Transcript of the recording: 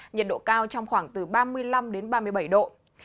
nhiệt độ cao trong khoảng từ ba mươi năm đến ba mươi bảy độ